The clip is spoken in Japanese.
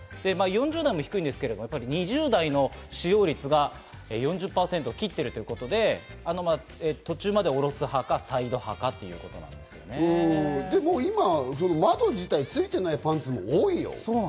４０代は低いんですけど、２０代の使用率が４０％を切っているということで、途中まで下ろす派かサイド派かと今、窓自体ついてないパンツも多いよ。